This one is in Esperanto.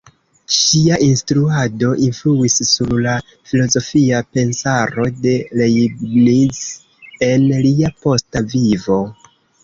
Ŝia instruado influis sur la filozofia pensaro de Leibniz en lia posta vivo.